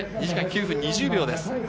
２時間９分２０秒です。